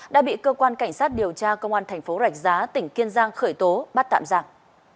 đã bị cơ quan cảnh sát điều tra công an thành phố rạch giá tỉnh kiên giang khởi tố bắt tạm giặc